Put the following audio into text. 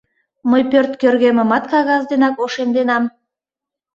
Мый пӧрт кӧргемымат кагаз денак ошемденам.